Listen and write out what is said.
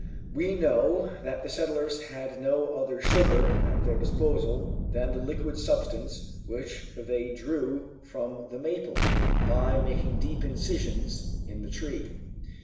We know that the settlers had no other sugar at their disposal than the liquid substance which they drew from the maple, by making deep incisions in the tree.